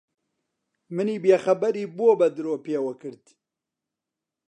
منی بێخەبەری بۆ بە درۆ پێوە کرد؟